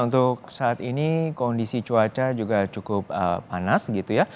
untuk saat ini kondisi cuaca juga cukup panas gitu ya